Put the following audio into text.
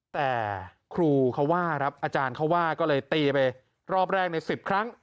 แต่ครูเขาว่าครับอาจารย์เขาว่าก็เลยตีไปรอบแรกใน๑๐ครั้ง